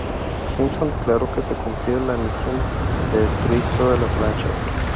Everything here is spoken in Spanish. Simpson declaró que se cumplió la misión de destruir todas las lanchas.